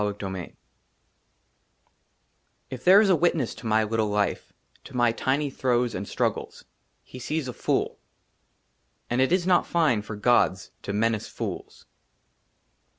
n i XIII IF THERE IS A WITNESS TO MY LITTLE LIFE, TO MY TINY THROES AND STRUGGLES, HE SEES A FOOL ; AND IT IS NOT FINE FOR GODS TO MENACE FOOLS.